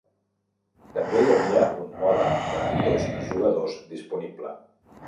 També hi havia un mode de dos jugadors disponible.